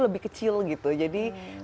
lebih kecil gitu jadi